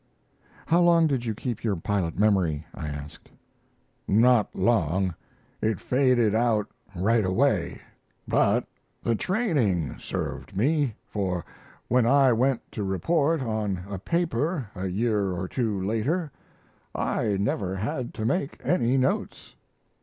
"How long did you keep your pilot memory?" I asked. "Not long; it faded out right away, but the training served me, for when I went to report on a paper a year or two later I never had to make any notes."